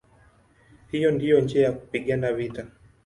Hiyo ndiyo njia ya kupigana vita".